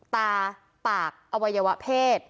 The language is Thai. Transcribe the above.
ตาปากอวัยวะเพศ